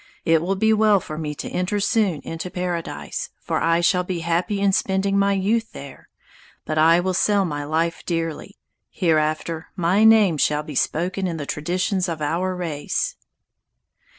It will be well for me to enter soon into Paradise, for I shall be happy in spending my youth there. But I will sell my life dearly. Hereafter my name shall be spoken in the traditions of our race."